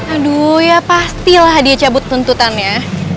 aduh ya pastilah hadiah cabut tuntutannya